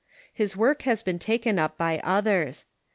His work has been taken up by others.